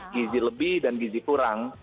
gizi lebih dan gizi kurang